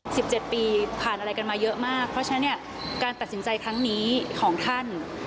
สิบเจ็ดปีผ่านอะไรกันมาเยอะมากเพราะฉะนั้นเนี่ยการตัดสินใจครั้งนี้ของท่าน